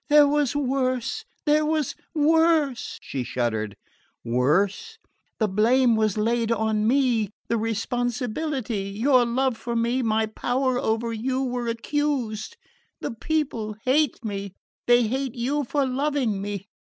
"There was worse there was worse," she shuddered. "Worse?" "The blame was laid on me the responsibility. Your love for me, my power over you, were accused. The people hate me they hate you for loving me!